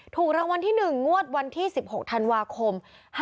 ถูกรางวัลที่๑งวดวันที่๑๖ธันวาคม๕๖